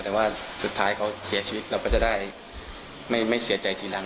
แต่ว่าสุดท้ายเขาเสียชีวิตเราก็จะได้ไม่เสียใจทีหลัง